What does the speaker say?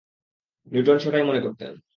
Newton সেটাই মনে করতেন।